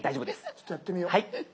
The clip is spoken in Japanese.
ちょっとやってみよう。